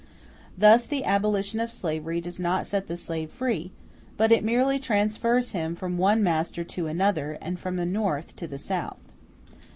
Thus the abolition of slavery does not set the slave free, but it merely transfers him from one master to another, and from the North to the South.